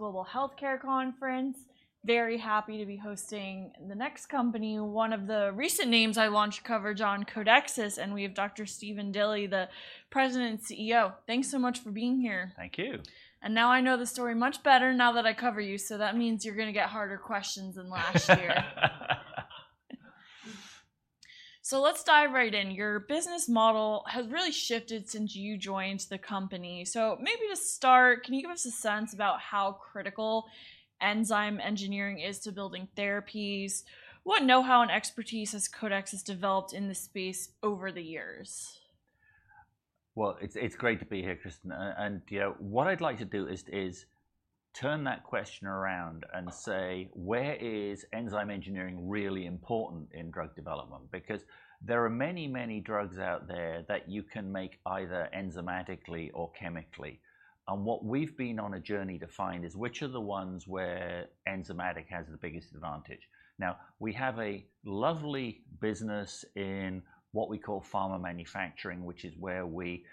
Global Healthcare Conference. Very happy to be hosting the next company, one of the recent names I launched coverage on, Codexis, and we have Dr. Stephen Dilly, the President and CEO. Thanks so much for being here. Thank you. Now I know the story much better now that I cover you, so that means you're gonna get harder questions than last year. Let's dive right in. Your business model has really shifted since you joined the company. Maybe to start, can you give us a sense about how critical enzyme engineering is to building therapies? What know-how and expertise has Codexis developed in this space over the years? It's great to be here, Kristen. And, you know, what I'd like to do is turn that question around and say, "Where is enzyme engineering really important in drug development?" Because there are many, many drugs out there that you can make either enzymatically or chemically, and what we've been on a journey to find is which are the ones where enzymatic has the biggest advantage. Now, we have a lovely business in what we call pharma manufacturing, which is where we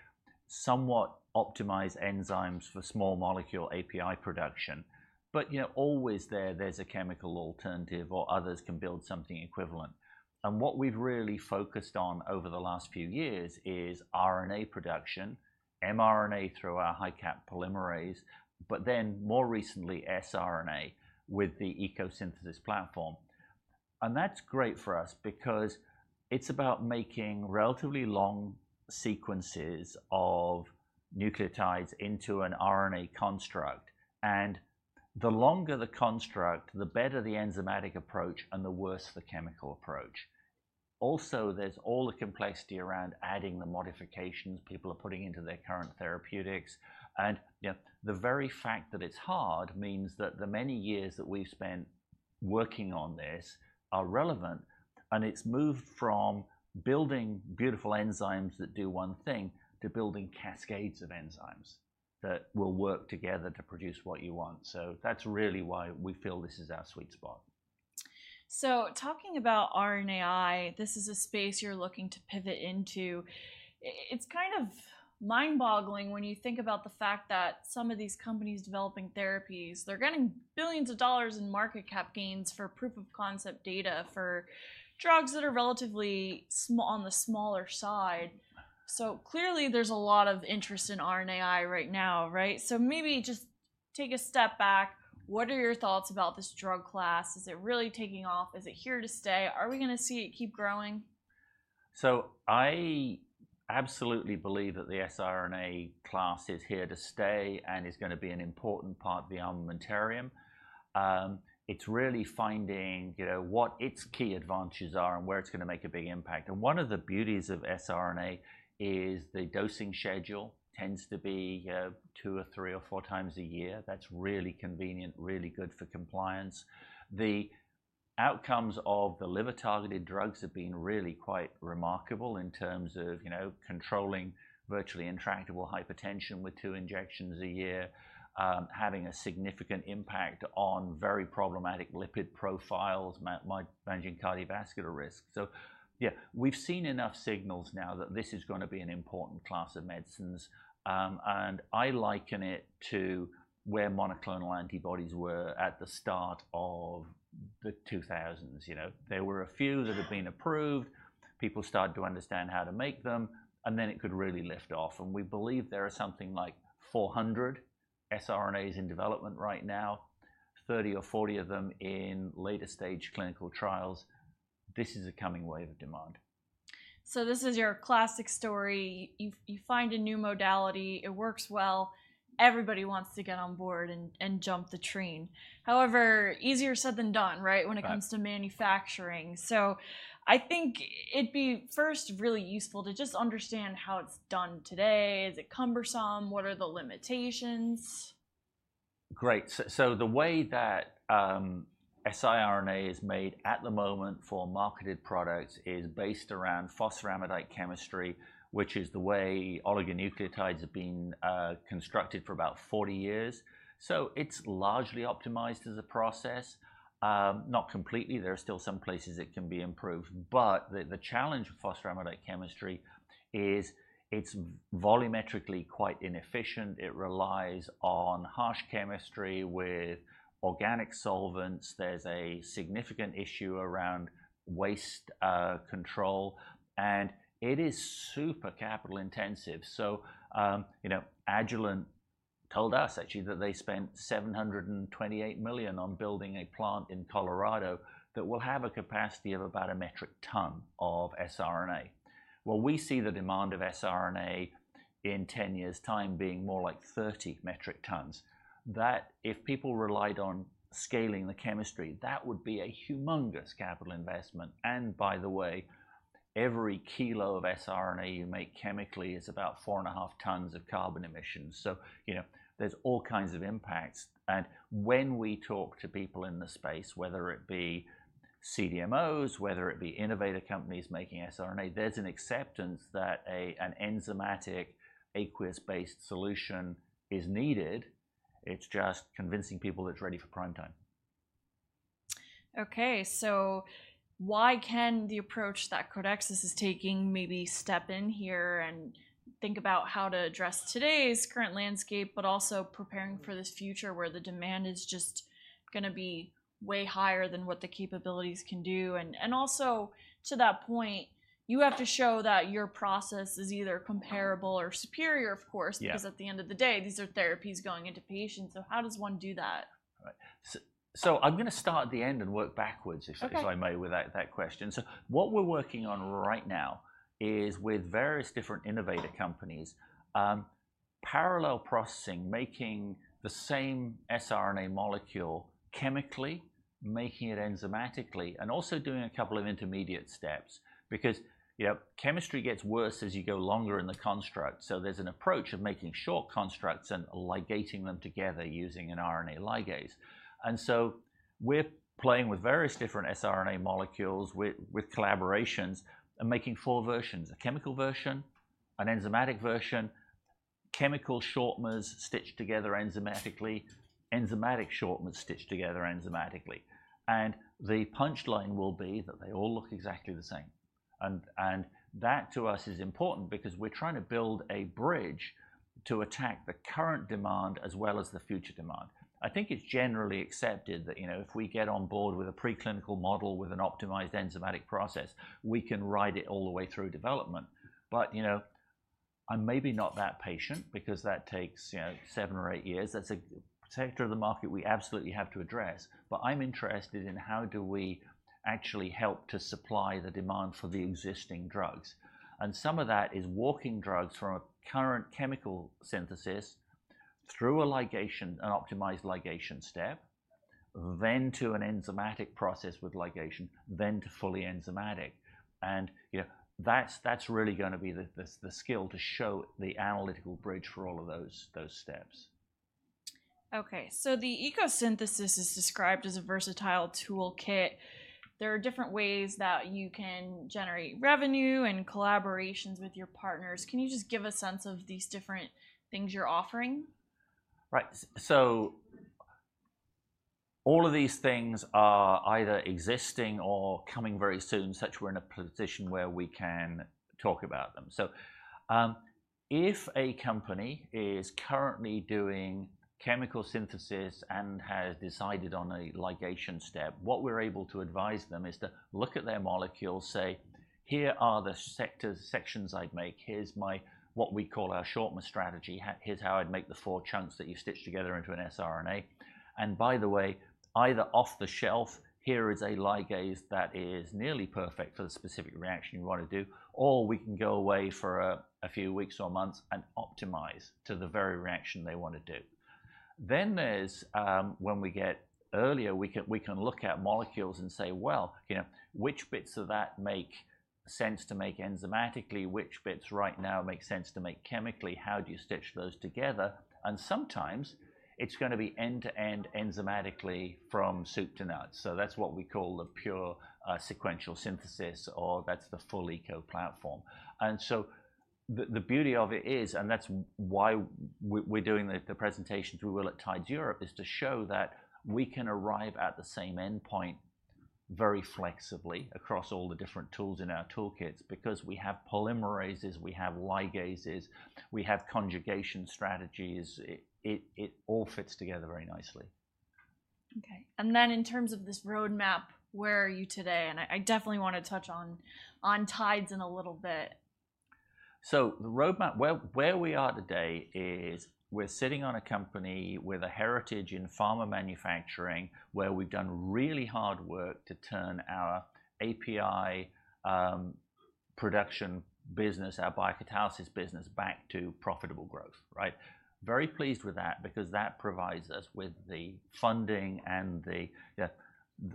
somewhat optimize enzymes for small molecule API production. But, you know, always there, there's a chemical alternative or others can build something equivalent. And what we've really focused on over the last few years is RNA production, mRNA through our HiQ polymerase, but then more recently, siRNA with the ECO Synthesis Platform. And that's great for us because it's about making relatively long sequences of nucleotides into an RNA construct, and the longer the construct, the better the enzymatic approach and the worse the chemical approach. Also, there's all the complexity around adding the modifications people are putting into their current therapeutics, and, you know, the very fact that it's hard means that the many years that we've spent working on this are relevant, and it's moved from building beautiful enzymes that do one thing to building cascades of enzymes that will work together to produce what you want. So that's really why we feel this is our sweet spot. So talking about RNAi, this is a space you're looking to pivot into. It's kind of mind-boggling when you think about the fact that some of these companies developing therapies, they're getting billions of dollars in market cap gains for proof-of-concept data for drugs that are relatively small, on the smaller side. So clearly, there's a lot of interest in RNAi right now, right? So maybe just take a step back. What are your thoughts about this drug class? Is it really taking off? Is it here to stay? Are we gonna see it keep growing? So I absolutely believe that the siRNA class is here to stay and is gonna be an important part of the armamentarium. It's really finding, you know, what its key advantages are and where it's gonna make a big impact. And one of the beauties of siRNA is the dosing schedule tends to be two or three or four times a year. That's really convenient, really good for compliance. The outcomes of the liver-targeted drugs have been really quite remarkable in terms of, you know, controlling virtually intractable hypertension with two injections a year, having a significant impact on very problematic lipid profiles, like, managing cardiovascular risk. So yeah, we've seen enough signals now that this is gonna be an important class of medicines. And I liken it to where monoclonal antibodies were at the start of the 2000s. You know, there were a few that had been approved, people started to understand how to make them, and then it could really lift off, and we believe there are something like 400 siRNAs in development right now, 30 or 40 of them in later-stage clinical trials. This is a coming wave of demand. So this is your classic story. You find a new modality, it works well, everybody wants to get on board and jump the train. However, easier said than done, right? Right... when it comes to manufacturing. So I think it'd be, first, really useful to just understand how it's done today. Is it cumbersome? What are the limitations? Great. The way that siRNAs is made at the moment for marketed products is based around phosphoramidite chemistry, which is the way oligonucleotides have been constructed for about 40 years. It's largely optimized as a process. Not completely, there are still some places it can be improved, but the challenge of phosphoramidite chemistry is it's volumetrically quite inefficient. It relies on harsh chemistry with organic solvents. There's a significant issue around waste control, and it is super capital-intensive. You know, Agilent told us actually that they spent $728 million on building a plant in Colorado that will have a capacity of about a metric ton of siRNA. We see the demand of siRNA in 10 years' time being more like 30 metric tons. That, if people relied on scaling the chemistry, that would be a humongous capital investment, and by the way, every kilo of siRNA you make chemically is about four and a half tons of carbon emissions. So, you know, there's all kinds of impacts. When we talk to people in the space, whether it be CDMOs, whether it be innovative companies making siRNA, there's an acceptance that an enzymatic, aqueous-based solution is needed. It's just convincing people it's ready for prime time.... Okay, so why can the approach that Codexis is taking maybe step in here and think about how to address today's current landscape, but also preparing for this future where the demand is just gonna be way higher than what the capabilities can do? And also, to that point, you have to show that your process is either comparable or superior, of course. Yeah. Because at the end of the day, these are therapies going into patients, so how does one do that? Right. So I'm gonna start at the end and work backwards. Okay. If I may, with that, that question. So what we're working on right now is with various different innovator companies, parallel processing, making the same siRNA molecule chemically, making it enzymatically, and also doing a couple of intermediate steps. Because, yep, chemistry gets worse as you go longer in the construct, so there's an approach of making short constructs and ligating them together using an RNA ligase. And so we're playing with various different siRNA molecules with collaborations and making four versions: a chemical version, an enzymatic version, chemical shortmers stitched together enzymatically, enzymatic shortmers stitched together enzymatically. And the punchline will be that they all look exactly the same. And that, to us, is important because we're trying to build a bridge to attack the current demand as well as the future demand. I think it's generally accepted that, you know, if we get on board with a preclinical model with an optimized enzymatic process, we can ride it all the way through development. But, you know, I'm maybe not that patient, because that takes, you know, seven or eight years. That's a sector of the market we absolutely have to address, but I'm interested in how do we actually help to supply the demand for the existing drugs? And some of that is walking drugs from a current chemical synthesis through a ligation, an optimized ligation step, then to an enzymatic process with ligation, then to fully enzymatic. And, you know, that's really gonna be the skill to show the analytical bridge for all of those steps. Okay, so the ECO Synthesis is described as a versatile toolkit. There are different ways that you can generate revenue and collaborations with your partners. Can you just give a sense of these different things you're offering? Right. So all of these things are either existing or coming very soon, so we're in a position where we can talk about them. So, if a company is currently doing chemical synthesis and has decided on a ligation step, what we're able to advise them is to look at their molecule, say, "Here are the sectors, sections I'd make. Here's what we call our shortmer strategy, 'Here's how I'd make the four chunks that you stitch together into an siRNA. And by the way, either off the shelf, here is a ligase that is nearly perfect for the specific reaction you want to do,'" or we can go away for a few weeks or months and optimize to the very reaction they want to do. Then there's when we get earlier, we can look at molecules and say, "Well, you know, which bits of that make sense to make enzymatically? Which bits right now make sense to make chemically? How do you stitch those together?" And sometimes it's gonna be end-to-end enzymatically from soup to nuts, so that's what we call the pure sequential synthesis, or that's the full ECO platform. And so the beauty of it is, and that's why we're doing the presentation through Will at TIDES Europe, is to show that we can arrive at the same endpoint very flexibly across all the different tools in our toolkits. Because we have polymerases, we have ligases, we have conjugation strategies. It all fits together very nicely. Okay, and then in terms of this roadmap, where are you today? And I definitely wanna touch on TIDES in a little bit. So the roadmap, where we are today is we're sitting on a company with a heritage in pharma manufacturing, where we've done really hard work to turn our API production business, our biocatalysis business, back to profitable growth, right? Very pleased with that because that provides us with the funding and the, yeah,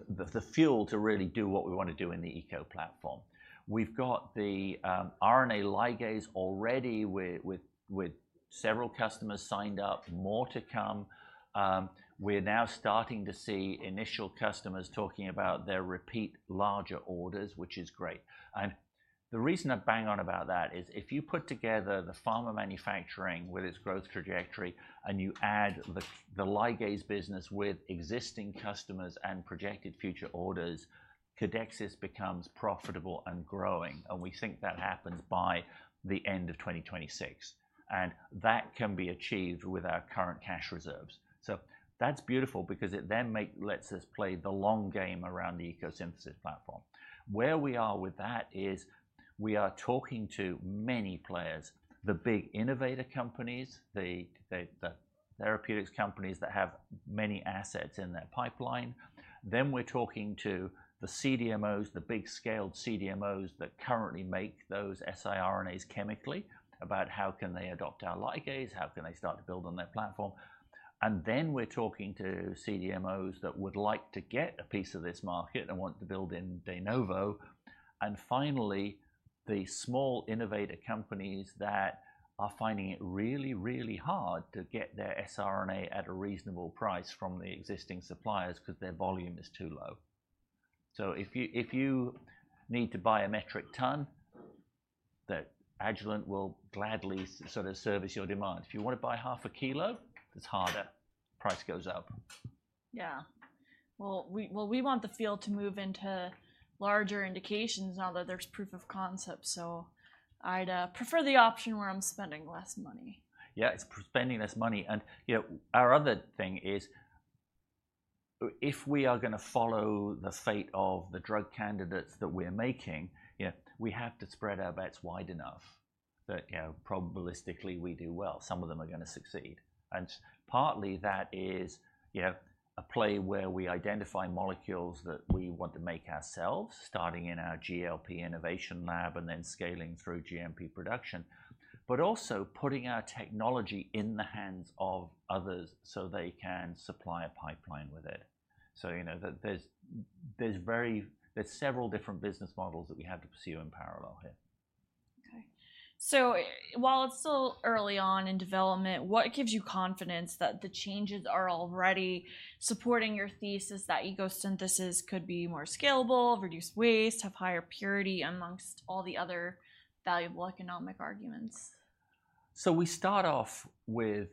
the fuel to really do what we want to do in the ECO platform. We've got the RNA ligase already with several customers signed up, more to come. We're now starting to see initial customers talking about their repeat larger orders, which is great. And the reason I bang on about that is if you put together the pharma manufacturing with its growth trajectory, and you add the ligase business with existing customers and projected future orders, Codexis becomes profitable and growing, and we think that happens by the end of 2026, and that can be achieved with our current cash reserves. So that's beautiful because it then lets us play the long game around the ECO Synthesis Platform. Where we are with that is we are talking to many players, the big innovator companies, the therapeutics companies that have many assets in their pipeline. Then we're talking to the CDMOs, the big-scaled CDMOs that currently make those siRNAs chemically, about how can they adopt our ligase, how can they start to build on their platform? And then we're talking to CDMOs that would like to get a piece of this market and want to build in de novo. And finally, the small innovator companies that are finding it really, really hard to get their siRNA at a reasonable price from the existing suppliers because their volume is too low. So if you need to buy a metric tonne that Agilent will gladly sort of service your demand. If you wanna buy half a kilo, it's harder, price goes up. Yeah. Well, we want the field to move into larger indications now that there's proof of concept, so I'd prefer the option where I'm spending less money? Yeah, it's spending less money, and, you know, our other thing is, if we are gonna follow the fate of the drug candidates that we're making, you know, we have to spread our bets wide enough that, you know, probabilistically we do well, some of them are gonna succeed. Partly that is, you know, a play where we identify molecules that we want to make ourselves, starting in our GLP innovation lab, and then scaling through GMP production. But also putting our technology in the hands of others so they can supply a pipeline with it. So, you know, there's several different business models that we have to pursue in parallel here. Okay. So while it's still early on in development, what gives you confidence that the changes are already supporting your thesis that ECO Synthesis could be more scalable, reduce waste, have higher purity, among all the other valuable economic arguments? So we start off with,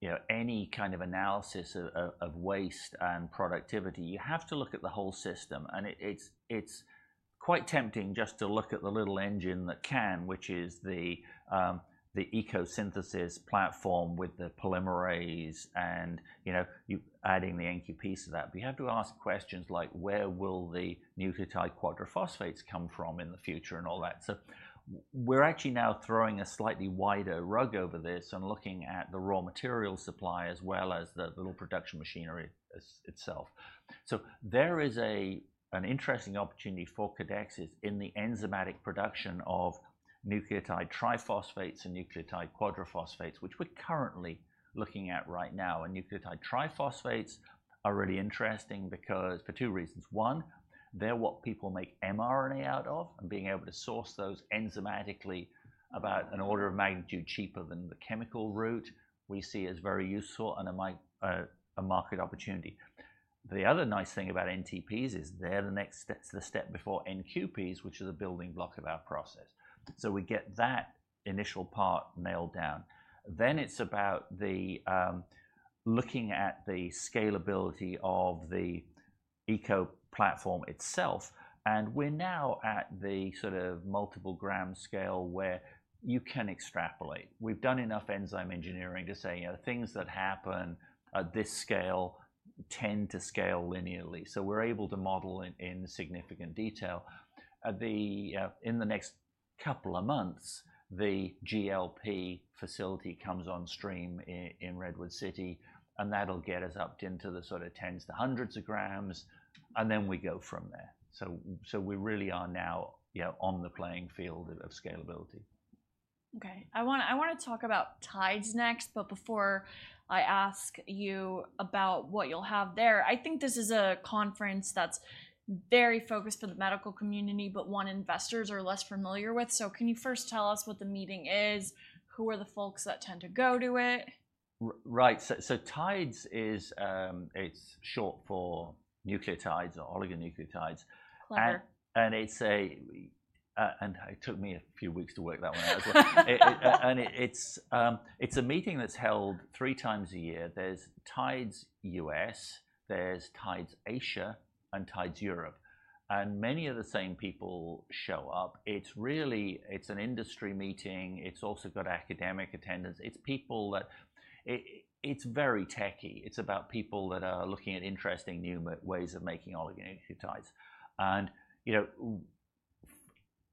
you know, any kind of analysis of waste and productivity, you have to look at the whole system, and it's quite tempting just to look at the little engine that can, which is the ECO Synthesis Platform with the polymerase and, you know, you adding the NQP to that. But you have to ask questions like, "Where will the nucleotide quadraphosphates come from in the future?" and all that. So we're actually now throwing a slightly wider rug over this and looking at the raw material supply, as well as the little production machinery as itself. So there is an interesting opportunity for Codexis in the enzymatic production of nucleotide triphosphates and nucleotide quadraphosphates, which we're currently looking at right now. And nucleotide triphosphates are really interesting because... For two reasons: one, they're what people make mRNA out of, and being able to source those enzymatically about an order of magnitude cheaper than the chemical route, we see as very useful and it might a market opportunity. The other nice thing about NTPs is they're the next step, the step before NQPs, which is a building block of our process. So we get that initial part nailed down. Then it's about the looking at the scalability of the ECO platform itself, and we're now at the sort of multiple gram scale where you can extrapolate. We've done enough enzyme engineering to say, you know, things that happen at this scale tend to scale linearly, so we're able to model in significant detail. In the next couple of months, the GLP facility comes on stream in Redwood City, and that'll get us upped into the sort of tens to hundreds of grams, and then we go from there. So we really are now, you know, on the playing field of scalability. Okay. I wanna talk about TIDES next, but before I ask you about what you'll have there, I think this is a conference that's very focused for the medical community, but one investors are less familiar with. So can you first tell us what the meeting is? Who are the folks that tend to go to it? Right. So TIDES is, it's short for nucleotides or oligonucleotides. Clever. It took me a few weeks to work that one out as well. It's a meeting that's held three times a year. There's TIDES US, there's TIDES Asia, and TIDES Europe, and many of the same people show up. It's really an industry meeting. It's also got academic attendance. It's people that it's very techy. It's about people that are looking at interesting new ways of making oligonucleotides. You know,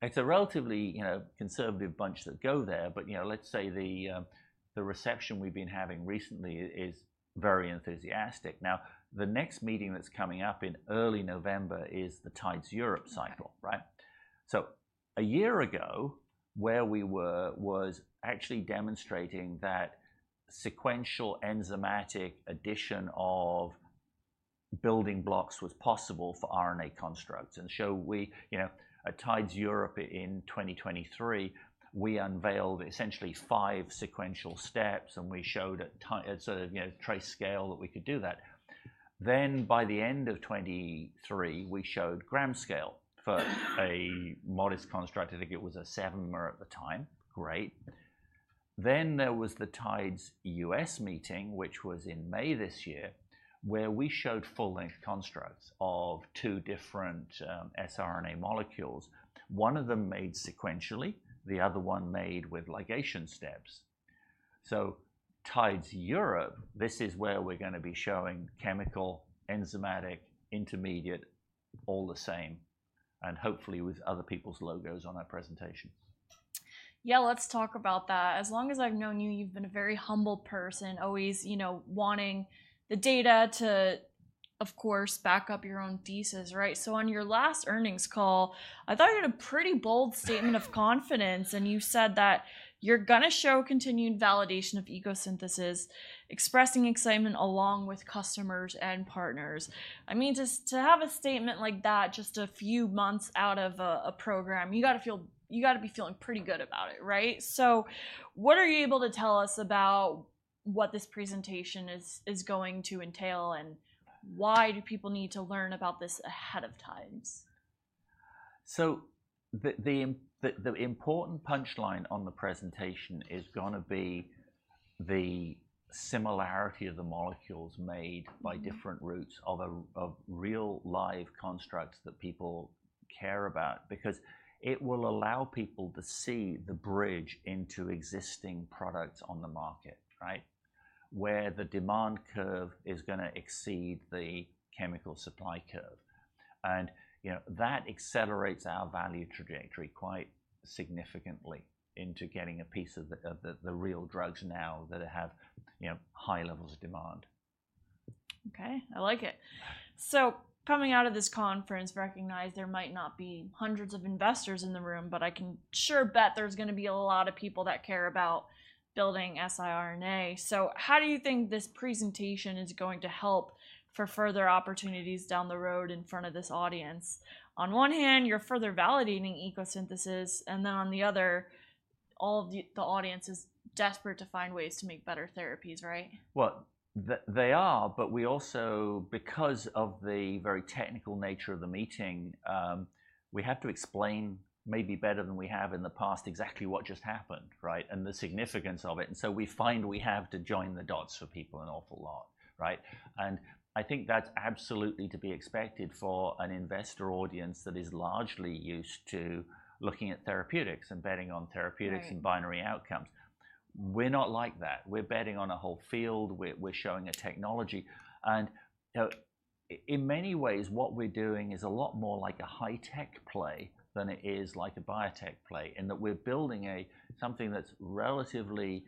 it's a relatively you know conservative bunch that go there, but you know, let's say the reception we've been having recently is very enthusiastic. Now, the next meeting that's coming up in early November is the TIDES Europe cycle, right? So a year ago, where we were was actually demonstrating that sequential enzymatic addition of building blocks was possible for RNA constructs, and so we. You know, at TIDES Europe in 2023, we unveiled essentially five sequential steps, and we showed at sort of, you know, trace scale that we could do that. Then by the end of 2023, we showed gram scale for a modest construct. I think it was a sevenmer at the time. Great. Then there was the TIDES US meeting, which was in May this year, where we showed full-length constructs of two different siRNA molecules, one of them made sequentially, the other one made with ligation steps. So TIDES Europe, this is where we're gonna be showing chemical, enzymatic, intermediate, all the same, and hopefully with other people's logos on our presentations. Yeah, let's talk about that. As long as I've known you, you've been a very humble person, always, you know, wanting the data to, of course, back up your own thesis, right? So on your last earnings call, I thought you had a pretty bold statement of confidence, and you said that you're gonna show continued validation of ECO Synthesis, expressing excitement along with customers and partners. I mean, just to have a statement like that just a few months out of a, a program, you gotta feel- you gotta be feeling pretty good about it, right? So what are you able to tell us about what this presentation is going to entail, and why do people need to learn about this ahead of TIDES? So the important punchline on the presentation is gonna be the similarity of the molecules made by- Mm-hmm Different routes of real live constructs that people care about, because it will allow people to see the bridge into existing products on the market, right? Where the demand curve is gonna exceed the chemical supply curve. And, you know, that accelerates our value trajectory quite significantly into getting a piece of the real drugs now that have, you know, high levels of demand. Okay, I like it. So coming out of this conference, recognize there might not be hundreds of investors in the room, but I can sure bet there's gonna be a lot of people that care about building siRNA. So how do you think this presentation is going to help for further opportunities down the road in front of this audience? On one hand, you're further validating ECO Synthesis, and then on the other, all the audience is desperate to find ways to make better therapies, right? Well, they are, but we also, because of the very technical nature of the meeting, we have to explain maybe better than we have in the past exactly what just happened, right, and the significance of it. And so we find we have to join the dots for people an awful lot, right? And I think that's absolutely to be expected for an investor audience that is largely used to looking at therapeutics and betting on therapeutics- Right... and binary outcomes. We're not like that. We're betting on a whole field. We're showing a technology. And, you know, in many ways, what we're doing is a lot more like a high-tech play than it is like a biotech play, in that we're building something that's relatively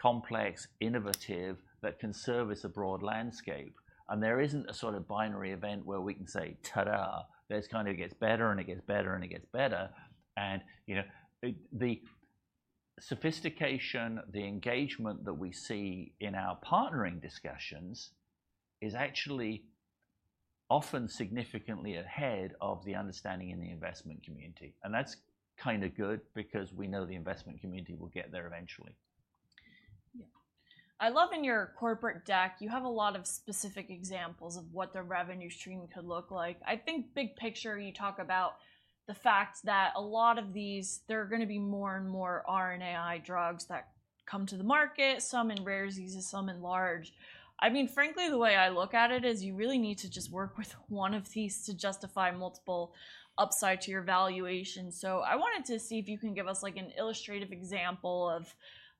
complex, innovative, but can service a broad landscape. And there isn't a sort of binary event where we can say, "Ta-da!" This kind of gets better, and it gets better, and it gets better. And, you know, the sophistication, the engagement that we see in our partnering discussions is actually often significantly ahead of the understanding in the investment community, and that's kind of good because we know the investment community will get there eventually. Yeah. I love in your corporate deck, you have a lot of specific examples of what the revenue stream could look like. I think big picture, you talk about the fact that a lot of these, there are gonna be more and more RNAi drugs that come to the market, some in rare diseases, some in large. I mean, frankly, the way I look at it is you really need to just work with one of these to justify multiple upside to your valuation. So I wanted to see if you can give us, like, an illustrative example of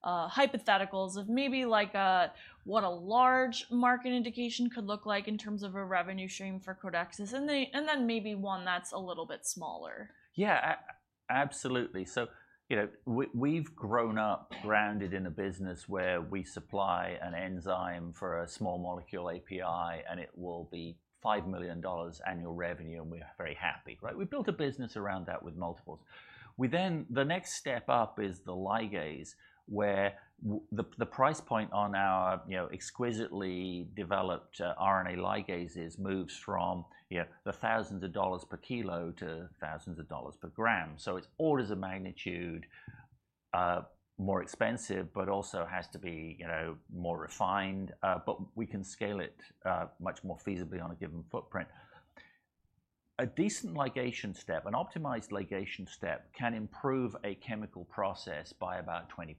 hypotheticals of maybe like a, what a large market indication could look like in terms of a revenue stream for Codexis, and then maybe one that's a little bit smaller. Yeah, absolutely. So, you know, we've grown up grounded in a business where we supply an enzyme for a small molecule API, and it will be $5 million annual revenue, and we're very happy, right? We built a business around that with multiples. We then... The next step up is the ligase, where the price point on our, you know, exquisitely developed, RNA ligases moves from, you know, the thousands of dollars per kilo to thousands of dollars per gram. So it's orders of magnitude, more expensive, but also has to be, you know, more refined, but we can scale it, much more feasibly on a given footprint. A decent ligation step, an optimized ligation step, can improve a chemical process by about 20%,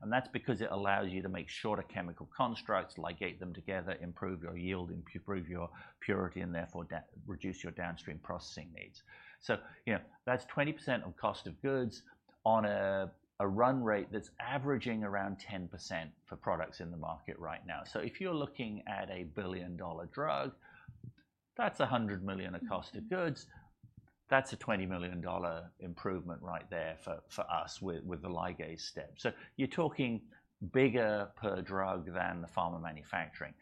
and that's because it allows you to make shorter chemical constructs, ligate them together, improve your yield, improve your purity, and therefore, reduce your downstream processing needs. So, you know, that's 20% of cost of goods on a run rate that's averaging around 10% for products in the market right now. So if you're looking at a billion-dollar drug, that's $100 million of cost of goods. That's a $20 million improvement right there for us with the ligase step. So you're talking bigger per drug than the pharma manufacturing.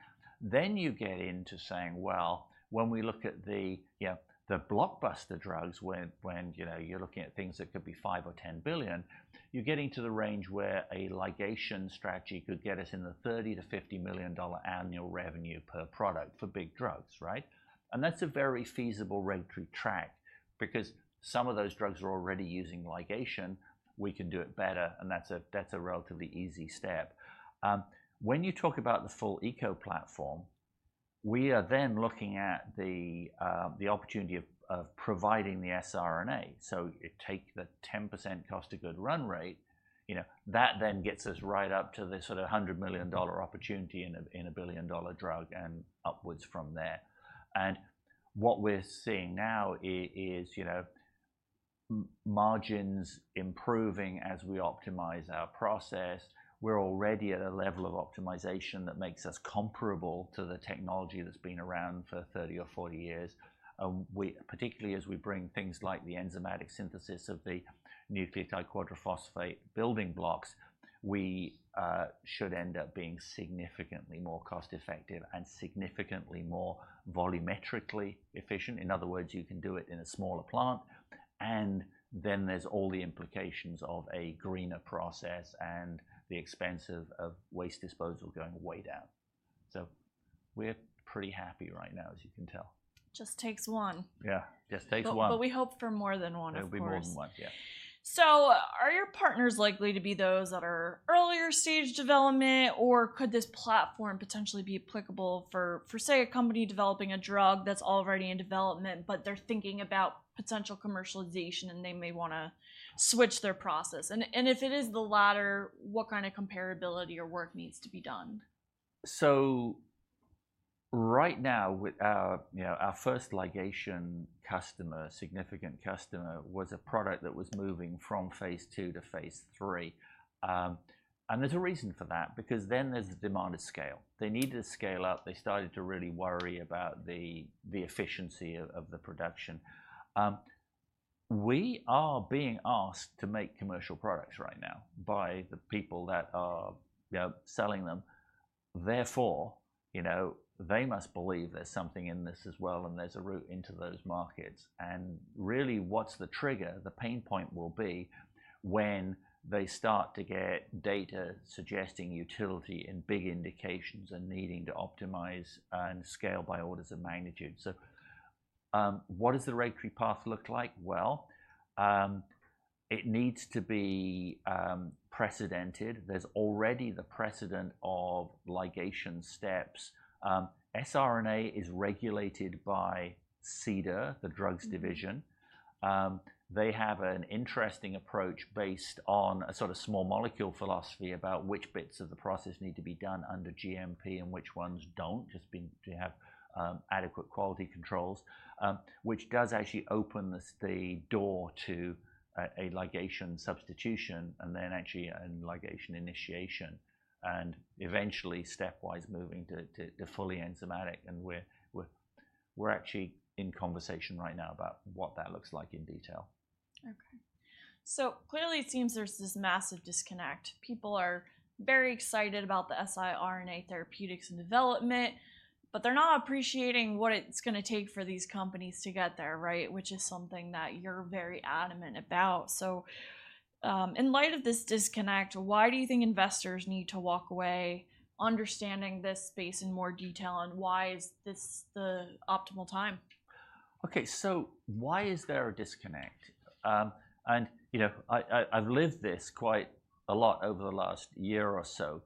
Then you get into saying, well, when we look at the, you know, the blockbuster drugs, you know, you're looking at things that could be $5 or $10 billion, you're getting to the range where a ligation strategy could get us in the $30-$50 million annual revenue per product for big drugs, right? And that's a very feasible regulatory track because some of those drugs are already using ligation. We can do it better, and that's a relatively easy step. When you talk about the full ECO platform, we are then looking at the opportunity of providing the siRNA. So you take the 10% cost of goods run rate, you know, that then gets us right up to the sort of $100 million opportunity in a billion-dollar drug and upwards from there. And what we're seeing now is, you know, margins improving as we optimize our process. We're already at a level of optimization that makes us comparable to the technology that's been around for 30 or 40 years. And particularly as we bring things like the enzymatic synthesis of the nucleotide tetraphosphate building blocks, we should end up being significantly more cost-effective and significantly more volumetrically efficient. In other words, you can do it in a smaller plant, and then there's all the implications of a greener process and the expense of waste disposal going way down.... So we're pretty happy right now, as you can tell. Just takes one. Yeah, just takes one. But we hope for more than one, of course. There'll be more than one, yeah. Are your partners likely to be those that are earlier stage development, or could this platform potentially be applicable for say, a company developing a drug that's already in development, but they're thinking about potential commercialization, and they may wanna switch their process? If it is the latter, what kind of comparability or work needs to be done? So right now, with our, you know, our first ligation customer, significant customer, was a product that was moving from phase two to phase three. And there's a reason for that, because then there's the demand of scale. They needed to scale up. They started to really worry about the efficiency of the production. We are being asked to make commercial products right now by the people that are, you know, selling them, therefore, you know, they must believe there's something in this as well, and there's a route into those markets. And really, what's the trigger? The pain point will be when they start to get data suggesting utility in big indications and needing to optimize and scale by orders of magnitude. So, what does the regulatory path look like? Well, it needs to be precedented. There's already the precedent of ligation steps. siRNA is regulated by CDER, the drugs division. They have an interesting approach based on a sort of small molecule philosophy about which bits of the process need to be done under GMP and which ones don't, just to have adequate quality controls, which does actually open the door to a ligation substitution and then actually a ligation initiation, and eventually stepwise moving to fully enzymatic. We're actually in conversation right now about what that looks like in detail. Okay. So clearly it seems there's this massive disconnect. People are very excited about the siRNA therapeutics and development, but they're not appreciating what it's gonna take for these companies to get there, right? Which is something that you're very adamant about. So, in light of this disconnect, why do you think investors need to walk away understanding this space in more detail, and why is this the optimal time? Okay, so why is there a disconnect? You know, I've lived this quite a lot over the last year or so.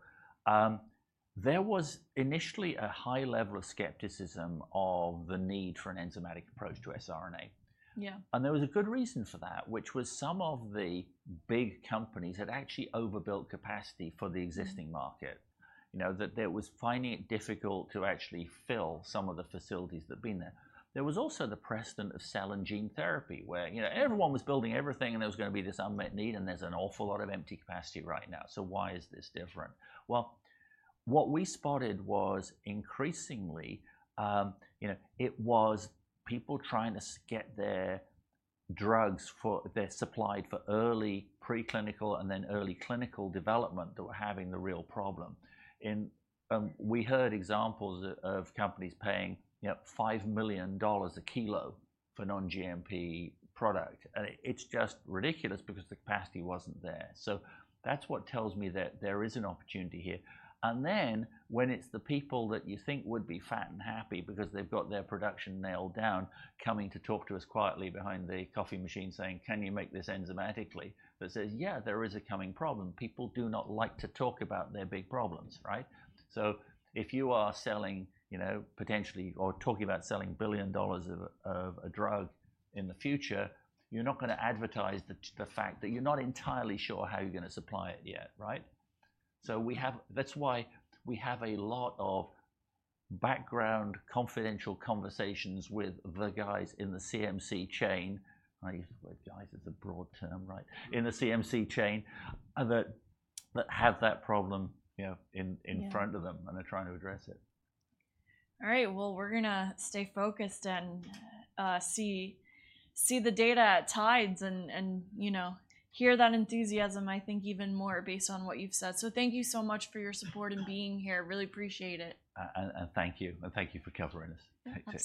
There was initially a high level of skepticism of the need for an enzymatic approach to siRNA. Yeah. And there was a good reason for that, which was some of the big companies had actually overbuilt capacity for the existing- Mm... market. You know, that they was finding it difficult to actually fill some of the facilities that had been there. There was also the precedent of cell and gene therapy, where, you know, everyone was building everything, and there was gonna be this unmet need, and there's an awful lot of empty capacity right now. So why is this different? Well, what we spotted was increasingly, you know, it was people trying to get their drugs supplied for early preclinical and then early clinical development that were having the real problem. And, we heard examples of companies paying, you know, $5 million a kilo for non-GMP product, and it's just ridiculous because the capacity wasn't there. So that's what tells me that there is an opportunity here. And then when it's the people that you think would be fat and happy because they've got their production nailed down, coming to talk to us quietly behind the coffee machine, saying, "Can you make this enzymatically?" That says, yeah, there is a coming problem. People do not like to talk about their big problems, right? So if you are selling, you know, potentially, or talking about selling $1 billion of a drug in the future, you're not gonna advertise the fact that you're not entirely sure how you're gonna supply it yet, right? So we have... That's why we have a lot of background, confidential conversations with the guys in the CMC chain. I use the word guys as a broad term, right? Mm. In the CMC chain, that have that problem, you know, in- Yeah... in front of them, and they're trying to address it. All right, well, we're gonna stay focused and see the data at TIDES and, you know, hear that enthusiasm, I think, even more based on what you've said, so thank you so much for your support and being here. Really appreciate it. And thank you for covering us. Take care.